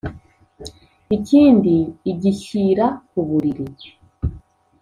ikindi agishyira kuburiri